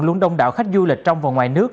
luôn đông đảo khách du lịch trong và ngoài nước